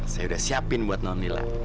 saya udah siapin buat nornila